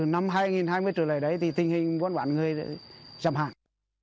ngay với trừ lời đấy thì tình hình bán bán người chậm hẳn